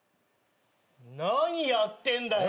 何やってんだよ。